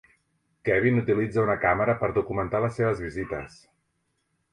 Kevin utilitza una càmera per documentar les seves visites.